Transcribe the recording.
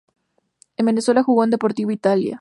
En Venezuela jugó en Deportivo Italia.